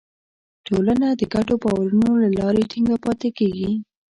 ټولنه د ګډو باورونو له لارې ټینګه پاتې کېږي.